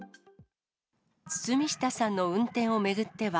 堤下さんの運転を巡っては。